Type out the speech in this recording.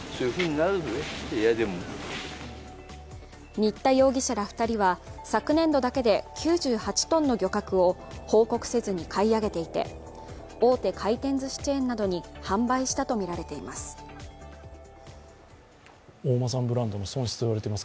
新田容疑者ら２人は昨年度だけで９８ｔの漁獲を報告せずに買い上げていて大手回転ずしチェーンなどに販売したとみられています。